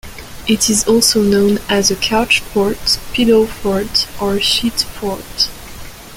It is also known as a couch fort, pillow fort or sheet fort.